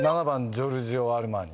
「ジョルジオ・アルマーニ」